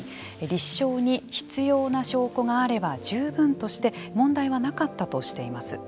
立証に必要な証拠があれば十分として問題はなかったとしています。